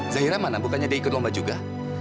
zahira mana bukannya dia ikut lomba juga